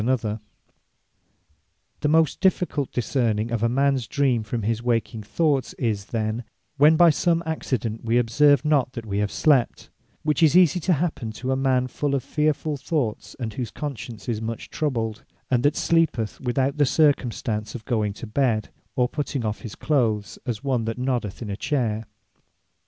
Apparitions Or Visions The most difficult discerning of a mans Dream, from his waking thoughts, is then, when by some accident we observe not that we have slept: which is easie to happen to a man full of fearfull thoughts; and whose conscience is much troubled; and that sleepeth, without the circumstances, of going to bed, or putting off his clothes, as one that noddeth in a chayre.